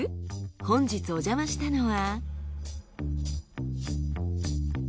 本日おじゃましたのは。